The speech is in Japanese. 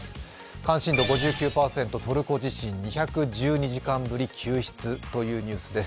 関心度５９％、トルコ地震２１２時間ぶり救出というニュースです。